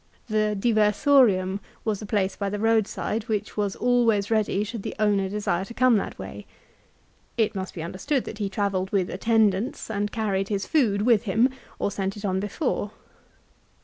1 The " diver sorium" was a place by the roadside which was always ready should the owner desire to come that way. It must be understood that he travelled with attendants, and carried his food with him, or sent it on before.